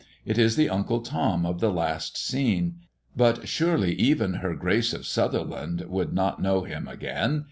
It is the Uncle Tom of the last scene; but surely even Her Grace of Sutherland would not know him again.